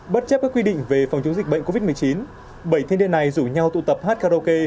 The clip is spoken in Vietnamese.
bất chấp các quy định về phòng chống dịch bệnh covid một mươi chín bảy thanh niên này rủ nhau tụ tập hát karaoke